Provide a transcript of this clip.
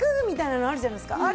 みたいなのあるじゃないですか。